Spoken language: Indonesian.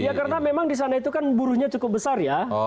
ya karena memang di sana itu kan buruhnya cukup besar ya